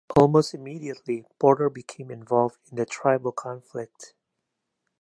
Almost immediately Porter became involved in the tribal conflict.